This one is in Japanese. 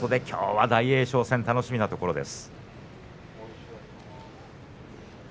きょうは大栄翔戦楽しみなところです。